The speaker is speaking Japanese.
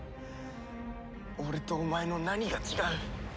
俺とお前の何が違う？